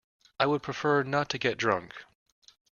I would prefer not to get drunk.